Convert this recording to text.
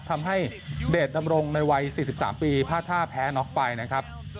ทำให้เดชดำรงในวัย๔๓ปีพลาดท่าแพ้น็อกไปนะครับ